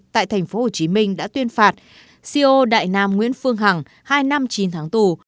tại tp hcm đã tuyên phạt co đại nam nguyễn phương hằng hai năm chín tháng tù